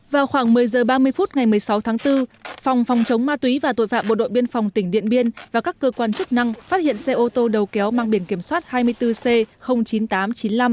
vào khoảng một mươi h ba mươi phút ngày một mươi sáu tháng bốn phòng phòng chống ma túy và tội phạm bộ đội biên phòng tỉnh điện biên và các cơ quan chức năng phát hiện xe ô tô đầu kéo mang biển kiểm soát hai mươi bốn c chín nghìn tám trăm chín mươi năm